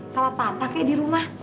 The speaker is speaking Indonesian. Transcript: kalau papa kayak di rumah